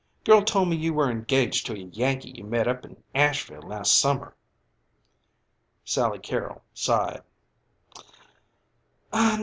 "Girl told me you were engaged to a Yankee you met up in Asheville last summer." Sally Carrol sighed.